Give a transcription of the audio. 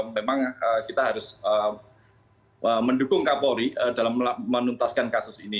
memang kita harus mendukung kapolri dalam menuntaskan kasus ini